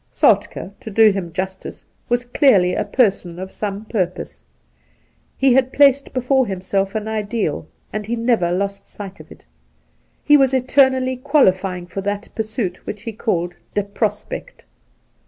Soltk^, to do him justice, was clearly a person of some purpose. He had placed before himself an ideal, and he never lost sight of it. He was eternally qualifying for that pursuit which he called ' de prospect.'